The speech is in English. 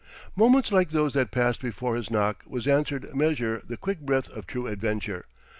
Moments like those that passed before his knock was answered measure the quick breath of true adventure.